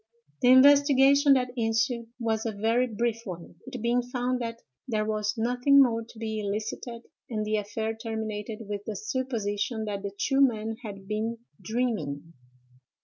"The investigation that ensued was a very brief one, it being found that there was nothing more to be elicited; and the affair terminated with the supposition that the two men had been dreaming.